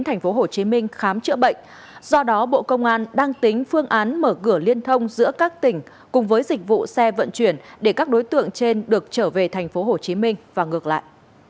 tp hcm khám chữa bệnh do đó bộ công an đang tính phương án mở cửa liên thông giữa các tỉnh cùng với dịch vụ xe vận chuyển để các đối tượng trên được trở về tp hcm và ngược lại